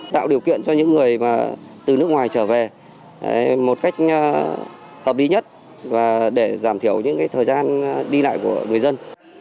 tạo điều kiện cho những người từ nước ngoài trở về một cách hợp lý nhất và để giảm thiểu những thời gian đi lại của người dân